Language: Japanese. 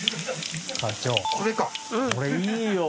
これいいよ。